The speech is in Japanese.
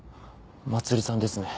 まつりさんですね。